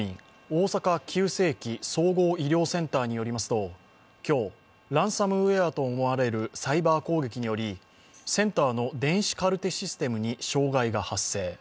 大阪急性期・総合医療センターによりますと今日、ランサムウェアと思われるサイバー攻撃によりセンターの電子カルテシステムに障害が発生。